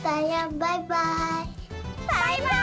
バイバイ！